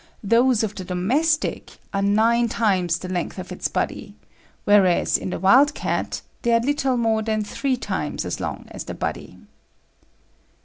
Those of the domestic are nine times the length of its body, whereas, in the wild cat, they are little more than three times as long as the body."